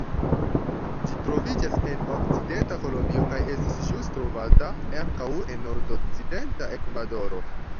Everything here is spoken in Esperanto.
Ĝi troviĝas en okcidenta Kolombio kaj estis ĵus trovata ankaŭ en nordokcidenta Ekvadoro.